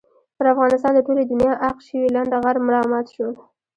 پر افغانستان د ټولې دنیا عاق شوي لنډه غر را مات شول.